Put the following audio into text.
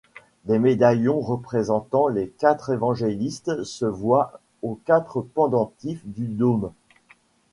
Des médaillons représentant les quatre évangélistes se voient aux quatre pendentifs du dôme.